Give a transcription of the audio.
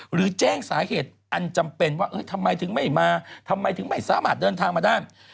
หรือแจ้งสาเหตุอันจำเป็นว่าทำไมถึงไม่มาทำไมถึงไม่สามารถเดินทางมาได้